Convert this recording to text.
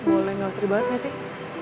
boleh gausah dibahas ga sih